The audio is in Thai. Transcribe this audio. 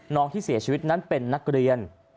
น้องที่เสียชีวิตนั้นเป็นนักเรียน